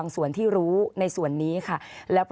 ขอบคุณครับ